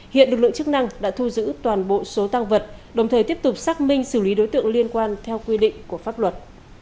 hiện lực lượng chức năng đã thu giữ toàn bộ số tăng vật đồng thời tiếp tục xác minh xử lý đối tượng liên quan theo quy định của pháp luật